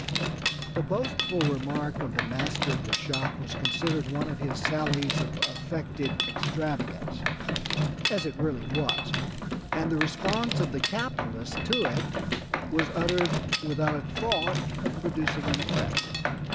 The boastful remark of the master of the shop was considered one of his sallies of affected extravagance, as it really was, and the response of the capitalist to it was uttered without a thought of producing an effect.